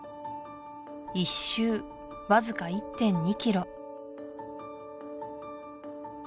１周わずか１．２キロ